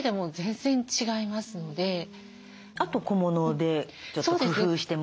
あと小物でちょっと工夫してみるとか。